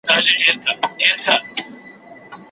نر اوښځي ټول له وهمه رېږدېدله